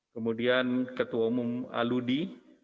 kemudian ketua umum aludi